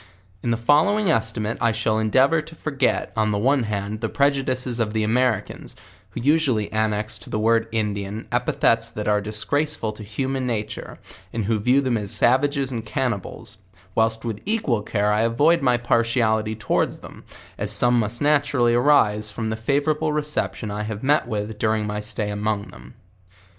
In the following estimate T shall endeavor to forget, on the one hand, the prejudices of the Americans, who usually an nex to the word Indian, epithets that are disgraceful to hu man nature, and who vijw them as savages and cannibale, whilst with equal care I avoid my partiality towards them, as some must naturally arise from the favourable reception I met with during rny etay among them.